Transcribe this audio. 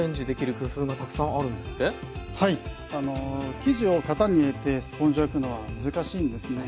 生地を型に入れてスポンジを焼くのは難しいんですね。